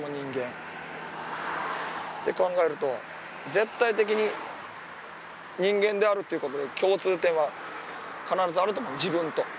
絶対的に人間であるということの共通点は必ずあると思う、自分と。